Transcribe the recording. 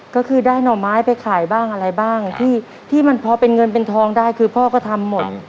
ก็คือได้หน่อไม้ไปขายบ้างอะไรบ้างที่มันพอเป็นเงินเป็นทองได้คือพ่อก็ทำหมด